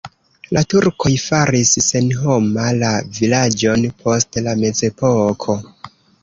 La turkoj faris senhoma la vilaĝon post la mezepoko.